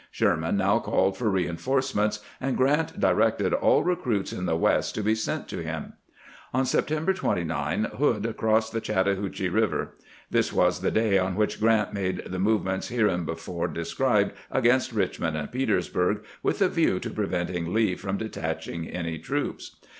Sher man now called for reinforcements, and Grant directed aU recruits in the West to be sent to him. On September 29 Hood crossed the Chattahoochee Eiver. This was the day on which Grant made the movements hereinbefore described against Eichmond and Petersburg, with a view to preventing Lee from detaching any troops.